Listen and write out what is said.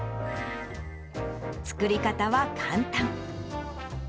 作り方は簡単。